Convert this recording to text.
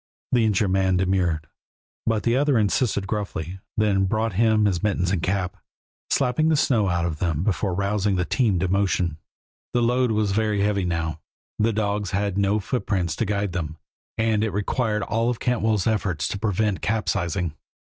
The injured man demurred, but the other insisted gruffly, then brought him his mittens and cap, slapping the snow out of them before rousing the team to motion. The load was very heavy now, the dogs had no footprints to guide them, and it required all of Cantwell's efforts to prevent capsizing.